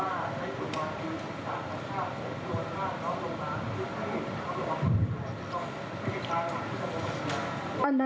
อันนั้นคุณแม่ไม่แน่ใจนะ